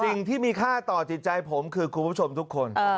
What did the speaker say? สิ่งที่มีค่าต่อจิตใจผมคือคุณผู้ชมทุกคน